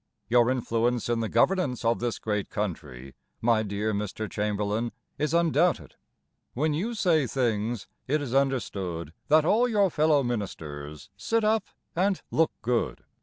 Your influence in the governance of this great country, my dear Mr. Chamberlain, Is undoubted. When you say things, It is understood that all your fellow ministers Sit up and look good.